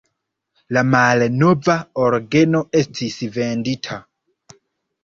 La malnova orgeno estis vendita.